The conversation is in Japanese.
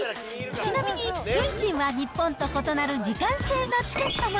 ちなみに、運賃は日本と異なる時間制のチケットも。